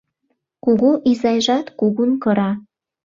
Кугу изайжат кугун кыра